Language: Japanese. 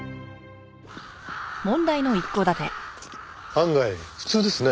案外普通ですね。